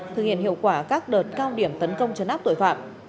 thực hiện hiệu quả các đợt cao điểm tấn công chấn áp tội phạm